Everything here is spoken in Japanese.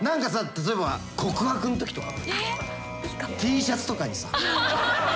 例えば告白のときとかＴシャツとかにさ。